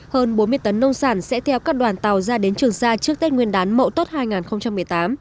hơn bốn mươi tấn nông sản sẽ theo các đoàn tàu ra đến trường sa trước tết nguyên đán mậu tốt hai nghìn một mươi tám